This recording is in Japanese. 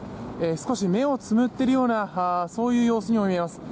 少し目をつむっているようなそういう様子にも見えます。